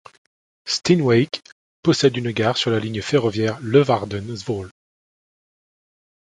Steenwijk possède une gare sur la ligne ferroviaire Leeuwarden–Zwolle.